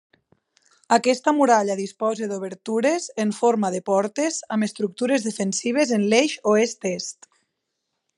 Aquesta muralla disposa d'obertures, en forma de portes, amb estructures defensives en l'eix oest-est.